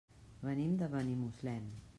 Venim de Benimuslem.